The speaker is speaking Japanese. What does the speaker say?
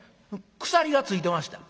「鎖が付いてました」。